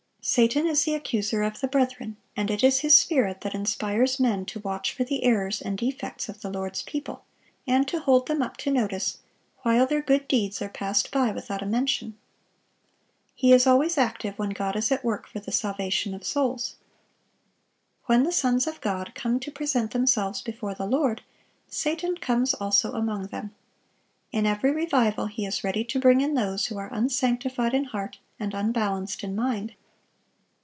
Satan is "the accuser of the brethren," and it is his spirit that inspires men to watch for the errors and defects of the Lord's people, and to hold them up to notice, while their good deeds are passed by without a mention. He is always active when God is at work for the salvation of souls. When the sons of God come to present themselves before the Lord, Satan comes also among them. In every revival he is ready to bring in those who are unsanctified in heart and unbalanced in mind.